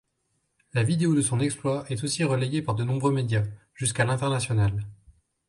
La vidéo de son exploit est aussi relayée par de nombreux médias, jusqu'à l'international.